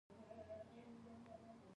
دا کلمه “دوست” ده.